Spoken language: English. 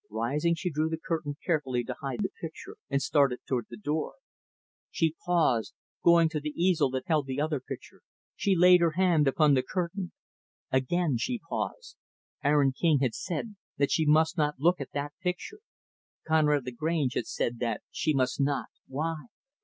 Rising, she drew the curtain carefully to hide the picture, and started toward the door. She paused. Going to the easel that held the other picture, she laid her hand upon the curtain. Again, she paused. Aaron King had said that she must not look at that picture Conrad Lagrange had said that she must not why?